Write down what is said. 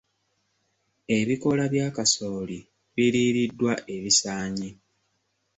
Ebikoola bya kasooli biriiriddwa ebisaanyi.